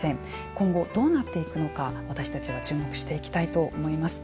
今後どうなっていくのか私たちは注目していきたいと思います。